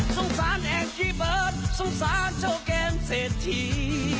สงสารแองกี่เบิร์ดสงสารโชว์เกมเสร็จที